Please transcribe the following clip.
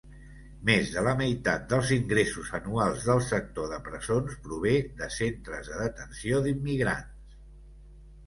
Més de la meitat dels ingressos anuals del sector de presons prové de centres de detenció d'immigrants.